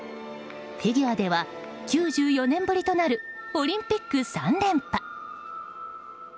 フィギュアでは９４年ぶりとなるオリンピック３連覇。